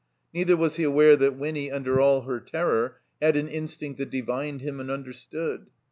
Neither was he aware that Winny, under all her terror, had an instinct that divined him and understood.